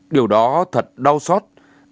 điều đó thật đau xót